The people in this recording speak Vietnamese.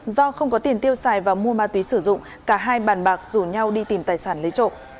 do không có tiền tiêu xài và mua ma túy sử dụng cả hai bàn bạc rủ nhau đi tìm tài sản lấy trộm